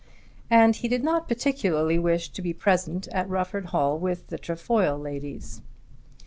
And he did not particularly wish to be present at Rufford Hall with the Trefoil ladies.